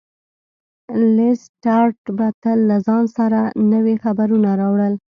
لیسټرډ به تل له ځان سره نوي خبرونه راوړل.